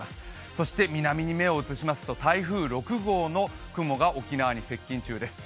そして南に目を移しますと台風６号の雲が沖縄に接近中です。